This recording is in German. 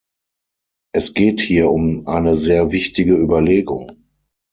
Es geht hier um eine sehr wichtige Überlegung.